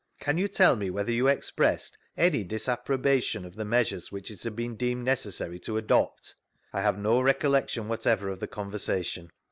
' Can you tell me whether you expressed any disapprobation of the measures which it had been deemed necessary to adopt ?— I have no recollection whatever of the conversation.